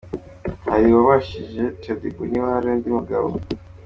Hari uwabajije Shadyboo niba hari undi mugabo